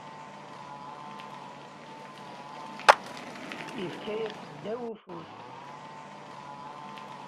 Yefka -yas ddaw ufus.